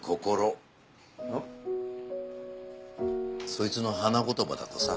そいつの花言葉だとさ。